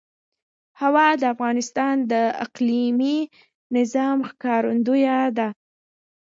هوا د افغانستان د اقلیمي نظام ښکارندوی ده.